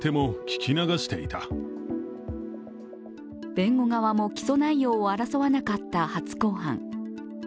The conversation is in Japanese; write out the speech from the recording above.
弁護側も起訴内容を争わなかった初公判。